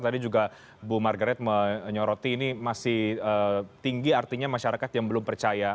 tadi juga bu margaret menyoroti ini masih tinggi artinya masyarakat yang belum percaya